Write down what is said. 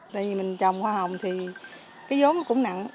tại vì mình trồng hoa hồng thì cái giống nó cũng nặng